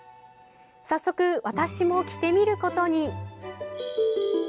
早速、私も着てみることに。